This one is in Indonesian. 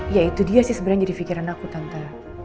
ya itu dia sih sebenarnya jadi pikiran aku tante